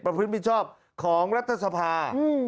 พฤติมิชชอบของรัฐสภา